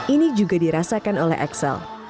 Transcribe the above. ini juga dirasakan oleh axel